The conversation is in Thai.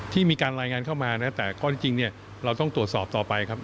มีการรายงานเข้ามานะแต่ข้อที่จริงเนี่ยเราต้องตรวจสอบต่อไปครับ